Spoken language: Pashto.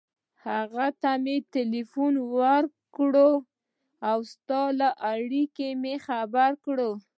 هغه ته مې ټېلېفون ور و کړ او ستا له راتګه مې خبر کړ.